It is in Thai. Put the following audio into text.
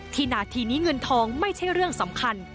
นาทีนี้เงินทองไม่ใช่เรื่องสำคัญ